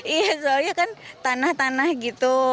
iya soalnya kan tanah tanah gitu